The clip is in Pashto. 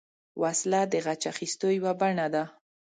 وسله د غچ اخیستو یوه بڼه ده